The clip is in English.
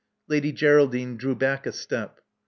" Lady Geraldine drew back a step.